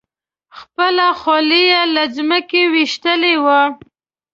خپله خولۍ یې له ځمکې ویشتلې وه.